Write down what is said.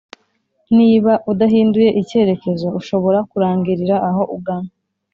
”niba udahinduye icyerekezo, ushobora kurangirira aho ugana.”